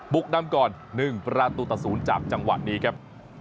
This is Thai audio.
ปุ๊กนำก่อน๑ประตูตะศูนย์จากจังหวะนี้ครับ